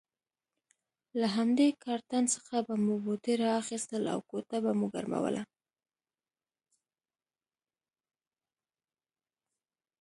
له همدې کارتن څخه به مو بوټي را اخیستل او کوټه به مو ګرموله.